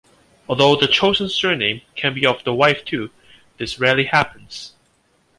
Although the chosen surname can be of the wife too, this rarely happens.